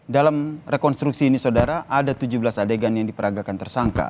dalam rekonstruksi ini saudara ada tujuh belas adegan yang diperagakan tersangka